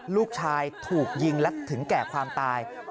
ลูกชายถูกยิงและถึงแก่ความตาย